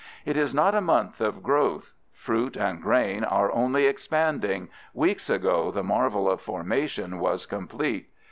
It is not a month of growth. Fruit and grain are only expanding—weeks ago the marvel of formation was complete.